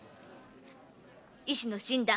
医師の診断